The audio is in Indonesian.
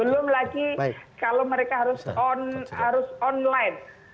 belum lagi kalau mereka harus online